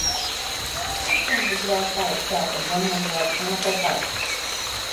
Each family dwells by itself in one or more conical huts.